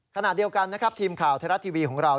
ขณะเดียวกันนะครับทีมข่าวไทยรัฐทีวีของเรา